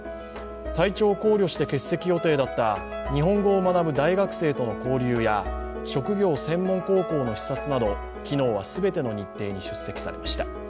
体調を考慮して欠席予定だった日本語を学ぶ大学生との交流や職業専門高校の視察など昨日は全ての日程に出席されました。